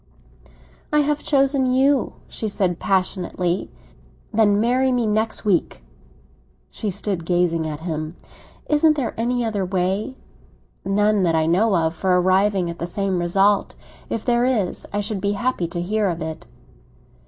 "I have chosen you!" she said passionately. "Then marry me next week." She stood gazing at him. "Isn't there any other way?" "None that I know of for arriving at the same result. If there is, I should be happy to hear of it."